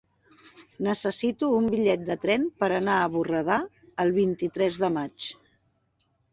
Necessito un bitllet de tren per anar a Borredà el vint-i-tres de maig.